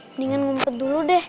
mendingan ngumpet dulu deh